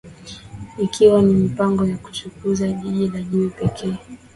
Ikiwa ni mpango wa kuchunguza Jiji la Jiwe pekee